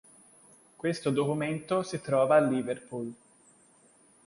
Questo documento si trova a Liverpool.